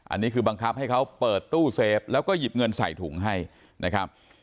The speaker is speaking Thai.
อันนี้คือบังคับให้เขาเปิดตู้เซฟแล้วก็หยิบเงินใส่ถุงให้นะครับ